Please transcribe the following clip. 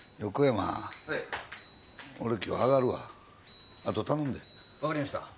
俺今日あがるわあと頼むで分かりました